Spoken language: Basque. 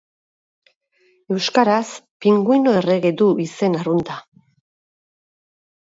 Euskaraz, pinguino errege du izen arrunta.